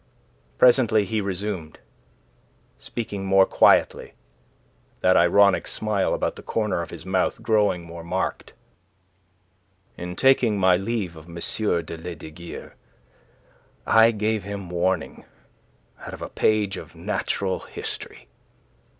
Presently he resumed, speaking more quietly, that ironic smile about the corner of his mouth growing more marked: "In taking my leave of M. de Lesdiguieres I gave him warning out of a page of natural history.